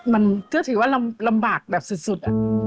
มันก็ถือว่าลำบากแบบสุด